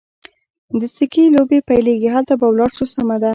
د سکې لوبې پیلېږي، هلته به ولاړ شو، سمه ده.